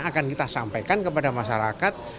akan kita sampaikan kepada masyarakat